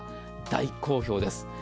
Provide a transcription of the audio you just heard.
大好評です。